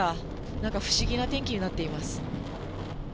なんか不思議な天気になっています。